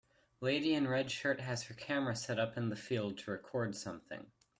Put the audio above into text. Lady in red shirt has her camera set up in the field to record something.